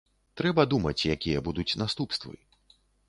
Трэба думаць, якія будуць наступствы.